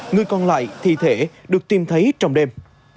người còn lại thi thể được tìm thấy trong đêm